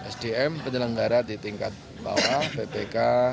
sdm penyelanggaran di tingkat bawa bbk